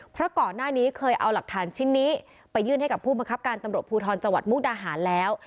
เพราะก่อนหน้านี้เคยเอาหลักฐานชิ้นนี้ไปยื่นให้กับผู้บังคับการตำรวจภูทรจังหวัดมุกดาหารแล้ว